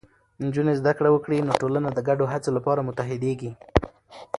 نجونې زده کړه وکړي، نو ټولنه د ګډو هڅو لپاره متحدېږي.